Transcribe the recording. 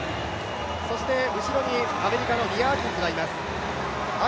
そして後ろにアメリカのニア・アキンズがいます。